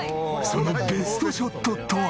そのベストショットとは？